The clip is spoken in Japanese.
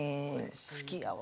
好きやわ。